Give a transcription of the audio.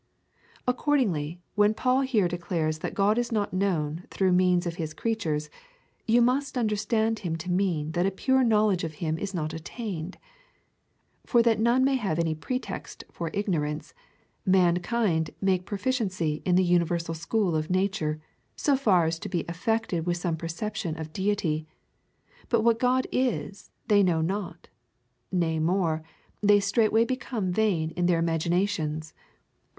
Accordingly, when Paul here declares that God is not known through means of his creatures, you must understand him to mean that a pure knowledge of him is not attained. For that none may have any pretext for ignorance, mankind make proficiency in the universal school of nature, so far as to be affected with some perception of deity, but what God is, they know not, nay more, they straightway become vain in their imaginations, (Rom.